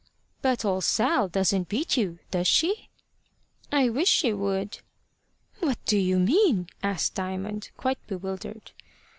"But old Sal doesn't beat you, does she?" "I wish she would." "What do you mean?" asked Diamond, quite bewildered.